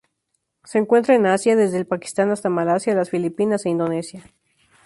Se encuentran en Asia: desde el Pakistán hasta Malasia, las Filipinas e Indonesia.